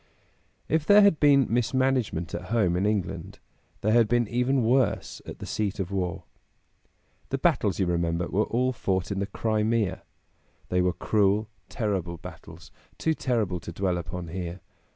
If there had been mismanagement at home in England, there had been even worse at the seat of war. The battles, you remember, were all fought in the Crimea. They were cruel, terrible battles, too terrible to dwell upon here.